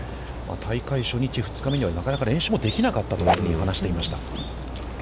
大会初日、２日にはなかなか練習もできなかったというふうに話していました。